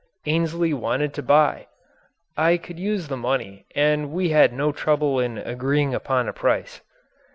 Ainsley wanted to buy. I could use the money and we had no trouble in agreeing upon a price.